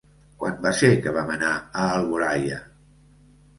Quan va ser que vam anar a Alboraia?